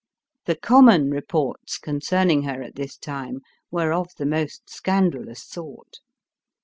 The common reports concerning her, at this time, were of the most scandalous sort..